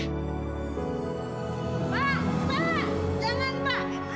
pak pak jangan pak